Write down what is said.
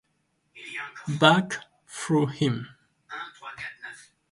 Bach through him.